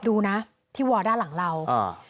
ดูนะที่วอด้านหลังเราอ่า